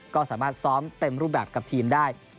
ก็สามารถซ้อมเต็มรูปแบบกับทีมได้